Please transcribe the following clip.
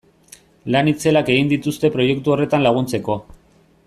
Lan itzelak egin dituzte proiektu horretan laguntzeko.